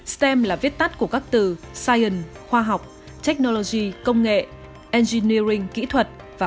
stem là viết tắt của các từ science khoa học technology công nghệ